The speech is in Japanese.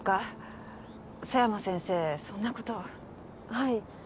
はい。